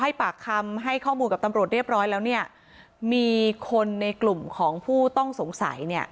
ปากคำให้ข้อมูลกับตำรวจเรียบร้อยแล้วเนี่ยมีคนในกลุ่มของผู้ต้องสงสัยเนี่ย